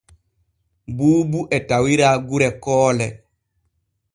Buubu e tawira gure Koole.